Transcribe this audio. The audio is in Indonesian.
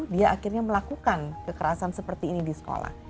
dia akhirnya melakukan kekerasan seperti ini di sekolah